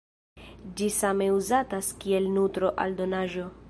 Ĝi same uzatas kiel nutro-aldonaĵo.